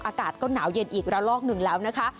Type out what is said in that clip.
อากาศก็หนาวเย็นอีกระลอกหนึ่งแล้วนะคะ